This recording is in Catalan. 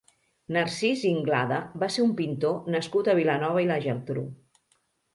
Narcís Inglada va ser un pintor nascut a Vilanova i la Geltrú.